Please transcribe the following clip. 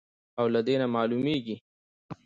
او له دې نه معلومېږي،